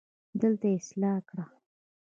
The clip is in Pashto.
دلته يې اصلاح کړه